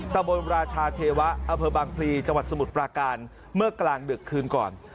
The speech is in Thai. ตะบนราชาเทวะอำเภอบางพลีจังหวัดสมุทรปราการเมื่อกลางดึกคืนก่อน